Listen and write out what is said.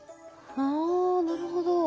ああなるほど。